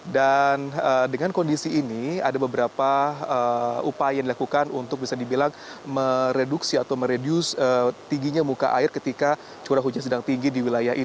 dan dengan kondisi ini ada beberapa upaya yang dilakukan untuk bisa dibilang mereduksi atau meredus tingginya muka air ketika cukup hujan sedang tinggi di wilayah